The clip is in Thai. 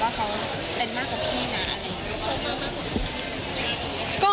คุณซังมากมาก